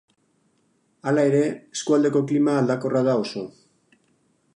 Hala ere, eskualdeko klima aldakorra da oso.